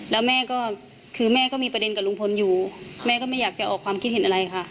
แล้วแม่ก็คือแม่ก็มีประเด็นกับลุงพลอยู่แม่ก็ไม่อยากจะออกความคิดเห็นอะไรค่ะ